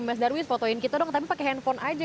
mas darwis fotoin kita dong tapi pakai handphone aja